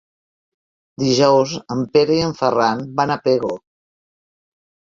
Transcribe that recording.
Dijous en Pere i en Ferran van a Pego.